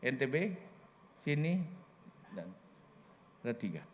ntb sini dan r tiga